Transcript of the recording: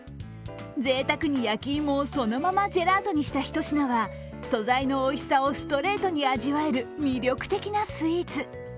ぜいたくに焼き芋をそのままジェラートにした一品は、素材のおいしさをストレートに味わえる魅力的なスイーツ。